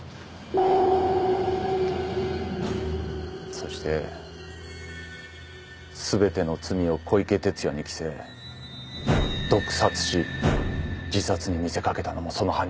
そして全ての罪を小池哲也に着せ毒殺し自殺に見せ掛けたのもその犯人だ。